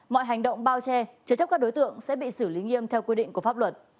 mọi hành động bao che chứa chấp các đối tượng sẽ bị xử lý nghiêm theo quy định của pháp luật